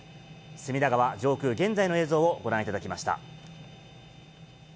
隅田川上空、現在の映像をご覧いただきました。